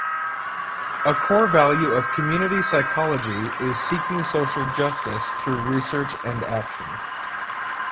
A core value of community psychology is seeking social justice through research and action.